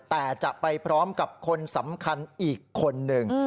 แต่จะไปพร้อมกับคนสำคัญอีกคนหนึ่ง